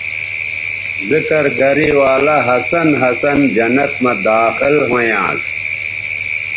ذکر گرے ولہ ہسن ہسن جنت مہ داخل ھویانݜ